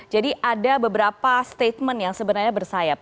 jadi ada beberapa statement yang sebenarnya bersayap